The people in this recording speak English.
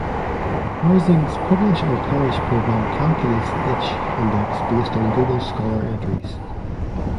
Harzing's "Publish or Perish" program calculates the "h"-index based on Google Scholar entries.